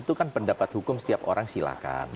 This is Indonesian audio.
itu kan pendapat hukum setiap orang silakan